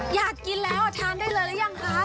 อยากกินแล้วทานได้เลยหรือยังคะ